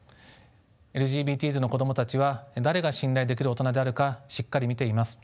ＬＧＢＴｓの子供たちは誰が信頼できる大人であるかしっかり見ています。